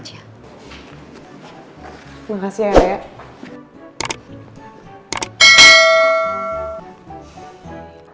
terima kasih ayah